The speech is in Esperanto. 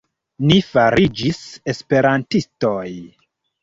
Ni fariĝis esperantistoj.